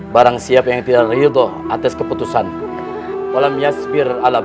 barang siapa yang tidak ridho atas keputusan